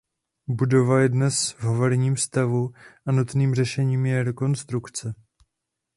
Budova je dnes v havarijním stavu a nutným řešením je rekonstrukce.